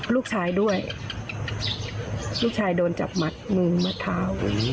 ลูกชายด้วยลูกชายโดนจับมัดมือมัดเท้า